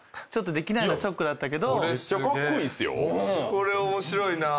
これ面白いなぁ。